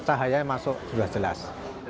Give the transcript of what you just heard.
cahayanya masuk sudah jelas